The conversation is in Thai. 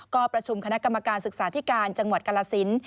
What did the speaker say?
ก็ประชุมคณะกรรมการศึกษาธิการจังหวัดกรสิน